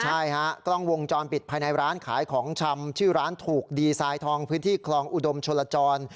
ใช่ฮะกล้องวงจรปิดภายในร้านขายของชำชื่อร้านถูกดีทรายทองพื้นที่คลองอุดมชลจร